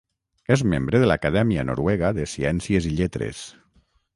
És membre de l'Acadèmia Noruega de Ciències i Lletres.